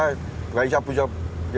saya bisa belanja